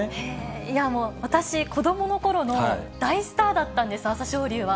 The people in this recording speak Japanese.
いやもう、私、子どものころの大スターだったんです、朝青龍は。